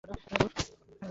হয়ত আরও কাউকে ফোন করতে হবে।